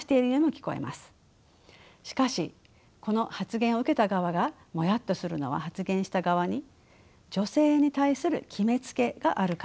しかしこの発言を受けた側がモヤっとするのは発言した側に女性に対する決めつけがあるからです。